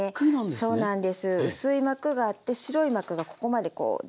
そうなんです。